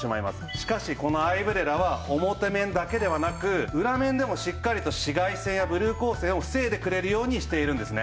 しかしこのアイブレラは表面だけではなく裏面でもしっかりと紫外線やブルー光線を防いでくれるようにしているんですね。